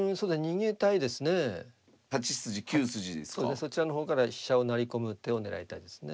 そちらの方から飛車を成り込む手を狙いたいですね。